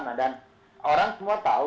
nah dan orang semua tahu